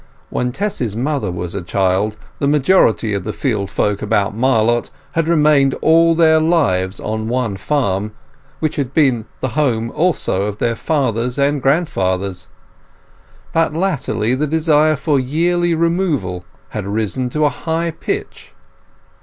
When Tess's mother was a child the majority of the field folk about Marlott had remained all their lives on one farm, which had been the home also of their fathers and grandfathers; but latterly the desire for yearly removal had risen to a high pitch.